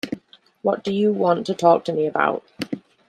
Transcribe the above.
What do you want to talk to me about?